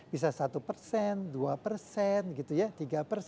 bisa satu dua gitu ya tiga